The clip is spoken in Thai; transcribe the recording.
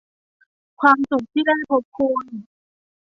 ความสุขที่ได้พบคุณ